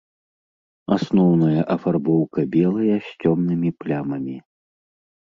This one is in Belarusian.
Асноўная афарбоўка белая з цёмнымі плямамі.